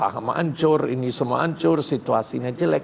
saham ancur ini semua ancur situasinya jelek